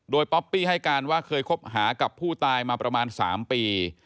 โดยป๊อปปี้ให้การว่าเคยคบหากับผู้ตายมาประมาณ๓ปี